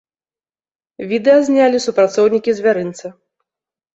Відэа знялі супрацоўнікі звярынца.